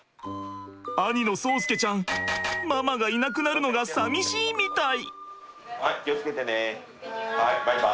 兄の蒼介ちゃんママがいなくなるのがさみしいみたい。